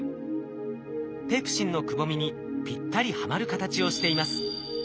ペプシンのくぼみにぴったりはまる形をしています。